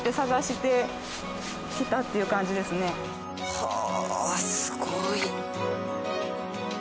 はあすごい。